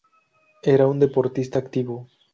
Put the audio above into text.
Era un deportista activo.